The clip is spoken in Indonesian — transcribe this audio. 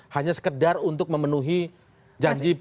hanya sekedar untuk memenuhi janji